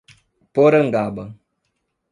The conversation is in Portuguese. Porangaba